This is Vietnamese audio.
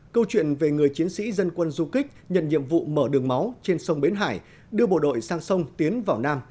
câu chuyện về người chiến sĩ dân quân du kích nhận nhiệm vụ mở đường máu trên sông bến hải đưa bộ đội sang sông tiến vào nam